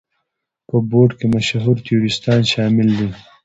په بورډ کې مشهور تیوریستان شامل دي.